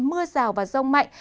mưa rào và rông mạnh